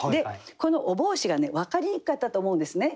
このお帽子がね分かりにくかったと思うんですね。